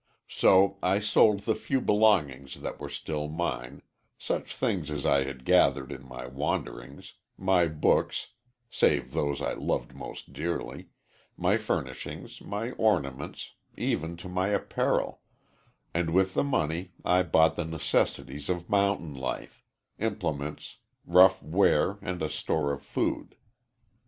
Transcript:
"So I sold the few belongings that were still mine such things as I had gathered in my wanderings my books, save those I loved most dearly my furnishings, my ornaments, even to my apparel and with the money I bought the necessaries of mountain life implements, rough wear and a store of food.